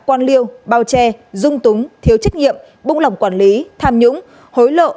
quan liêu bao che dung túng thiếu trách nhiệm bụng lòng quản lý tham nhũng hối lộ